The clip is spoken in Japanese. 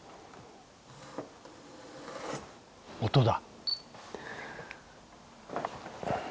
音だ。